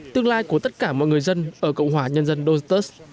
tương lai của tất cả mọi người dân ở cộng hòa nhân dân doustos